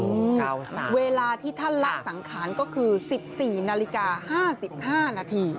เวลาที่ท่านละสังขารก็คือ๑๔นาฬิกา๕๕นาที